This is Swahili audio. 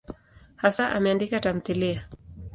Hasa ameandika tamthiliya.